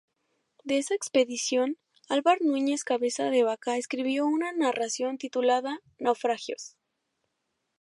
De esa expedición, Álvar Núñez Cabeza de Vaca escribió una narración titulada "Naufragios".